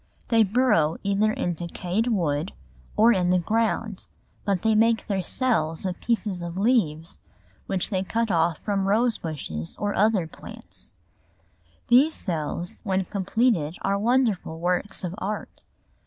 They burrow either in decayed wood or in the ground, but they make their cells of pieces of leaves which they cut off from rose bushes or other plants; these cells when completed are wonderful works of art.